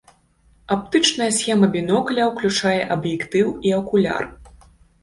Аптычная схема бінокля ўключае аб'ектыў і акуляр.